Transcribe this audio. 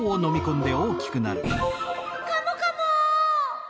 カモカモ！